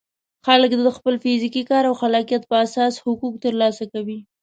خلک د خپل فزیکي کار او خلاقیت په اساس حقوق ترلاسه کوي.